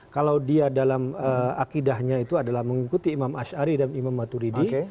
kalau dia dalam akidahnya itu adalah mengikuti imam ash'ari dan imam maturidi